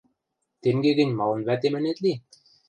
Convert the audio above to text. Тенге гӹнь, малын вӓтем ӹнет ли?